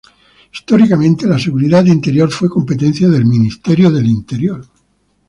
Históricamente, la seguridad interior fue competencia del Ministerio del Interior.